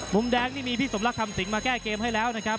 มุมแดงนี่มีพี่สมรักคำสิงมาแก้เกมให้แล้วนะครับ